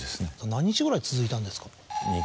何日ぐらい続いたんですか？